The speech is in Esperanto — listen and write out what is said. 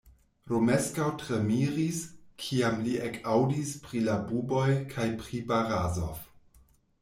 Romeskaŭ tre miris, kiam li ekaŭdis pri la buboj kaj pri Barazof.